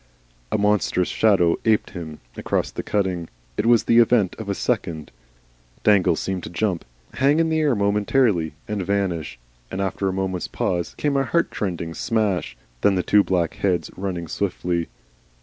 A monstrous shadow aped him across the cutting. It was the event of a second. Dangle seemed to jump, hang in the air momentarily, and vanish, and after a moment's pause came a heart rending smash. Then two black heads running swiftly.